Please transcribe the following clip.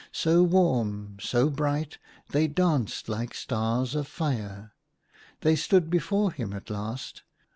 So warm, so bright, they danced like stars of fire. They stood before him at last.